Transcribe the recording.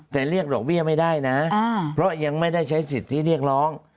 แต่เรียกดอกเบี้ยไม่ได้นะเพราะยังไม่ได้ใช้สิทธิ์ที่เรียกร้อง